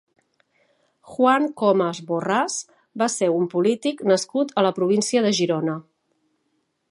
Juan Comas Borrás va ser un polític nascut a la província de Girona.